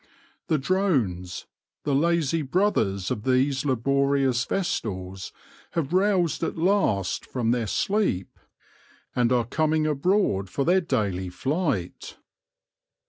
The drones, the lazy brothers of these laborious vestals, have roused at last from their sleep, and are coming abroad for their daily flight.